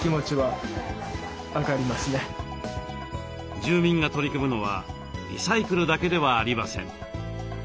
住民が取り組むのはリサイクルだけではありません。